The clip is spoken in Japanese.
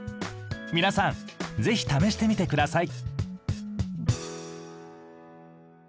皆さんぜひ試してみて下さい。